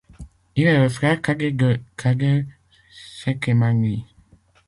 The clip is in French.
Il est le frère cadet de Kader Chékhémani.